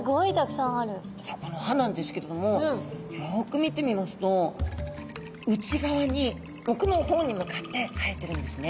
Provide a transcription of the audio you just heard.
さっこの歯なんですけれどもよく見てみますと内側におくの方に向かって生えてるんですね。